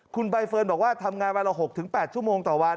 คุณใบเฟิร์นบอกว่าทำงานวันละ๖๘ชั่วโมงต่อวัน